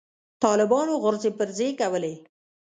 طالبانو غورځې پرځې کولې.